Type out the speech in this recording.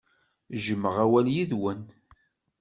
Jjmeɣ awal yid-wen.